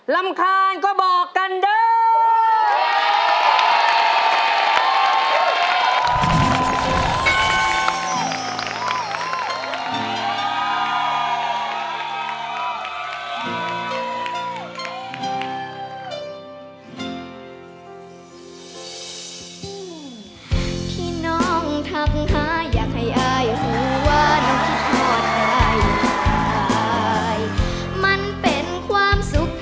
ลำคาญก็บอกกันด้วย